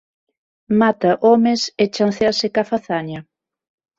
Mata homes e chancéase coa fazaña.